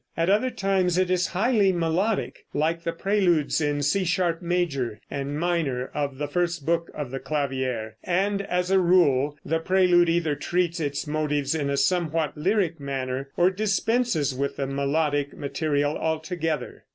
At other times it is highly melodic, like the preludes in C sharp major and minor of the first book of the Clavier, and, as a rule, the prelude either treats its motives in a somewhat lyric manner or dispenses with the melodic material altogether.